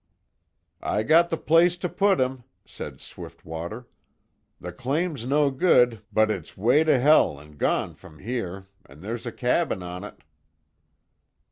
"I got the place to put him," said Swiftwater, "The claim's no good, but it's way to hell an' gone from here, an' there's a cabin on it."